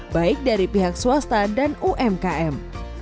baik dari pihak swasta dan umkm